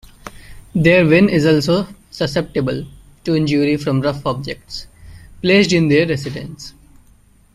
Their wen is also susceptible to injury from rough objects placed in their residence.